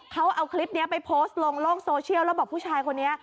เขาเอาคลิปนี้ไปโพสต์ลงโลกโซเชียลแล้วบอกผู้ชายคนนี้